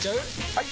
・はい！